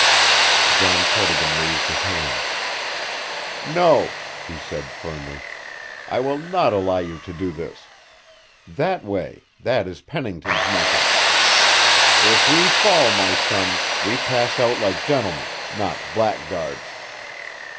John Cardigan raised his hand. "No," he said firmly, "I will not allow you to do this. That way that is the Pennington method. If we fall, my son, we pass out like gentlemen, not blackguards.